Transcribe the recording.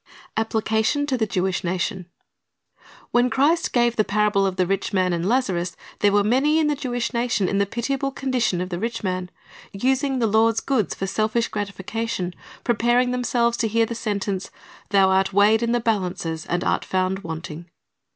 "' APPLICATION TO THE JEWISH NATION When Christ gave the parable of the rich man and Lazarus, there were many in the Jewish nation in the pitiable condition of the rich man, using the Lord's goods for selfish gratification, preparing themselves to hear the sentence, "Thou art weighed in the balances, and art found wanting."